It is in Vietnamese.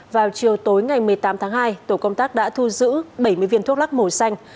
vào chiều tối ngày một mươi tám tháng hai tổ công tác đã thu giữ bảy mươi viên thuốc lắc màu xanh